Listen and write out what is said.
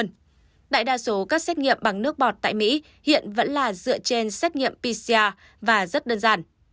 nhưng đại đa số các xét nghiệm bằng nước bọt tại mỹ hiện vẫn là dựa trên xét nghiệm pcr và rất đơn giản